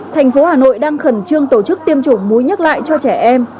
thành phố hà nội đang khẩn trương tổ chức tiêm chủng mũi nhắc lại cho trẻ em